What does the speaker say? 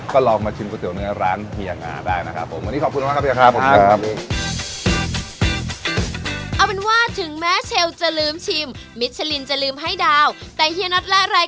ก็ลองมาชิมก๋วเนื้อร้านเฮียงาได้นะครับผมวันนี้ขอบคุณมากครับ